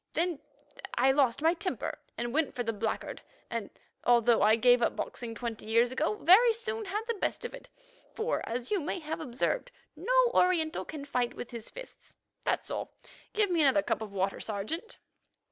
Then I lost my temper and went for the blackguard, and although I gave up boxing twenty years ago, very soon had the best of it, for, as you may have observed, no Oriental can fight with his fists. That's all. Give me another cup of water, Sergeant."